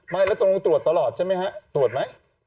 ไม่พี่รู้ตัวลงตรวจตลอดใช่ไหมฮะตรวจไหม